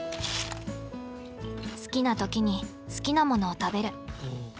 好きな時に好きなものを食べる。